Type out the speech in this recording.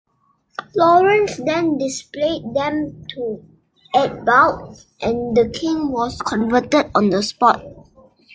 Laurence then displayed them to Eadbald, and the king was converted on the spot.